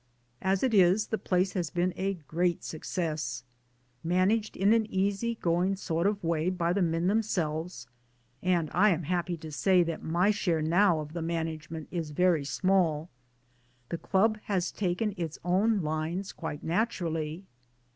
As it is, the place has been a great success. Managed in an easy going sort of way by the men themselves (and I am happy to say that my share now of the manage ment is very small) the Club has taken its own lines quite naturally.